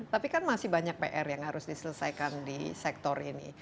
tapi kan masih banyak pr yang harus diselesaikan di sektor ini